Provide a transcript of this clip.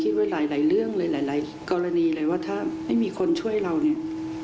ไว้หลายเรื่องหลายกรณีเลยว่าถ้าไม่มีคนช่วยเราเนี่ย